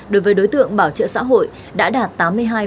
đối với đối tượng bảo trợ xã hội đã đạt tám mươi hai chín mươi chín